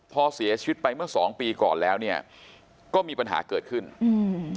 พอเสียชีวิตไปเมื่อสองปีก่อนแล้วเนี่ยก็มีปัญหาเกิดขึ้นอืม